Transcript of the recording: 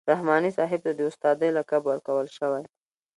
رحماني صاحب ته د استادۍ لقب ورکول شوی.